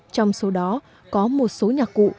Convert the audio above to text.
trong số đó có một số nhạc cụ